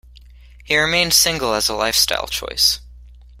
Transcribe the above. He remained single as a lifestyle choice.